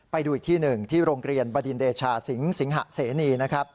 ไปดูอีกที่หนึ่งที่โรงเรียนบรรดินเดชาสิงหะเสนี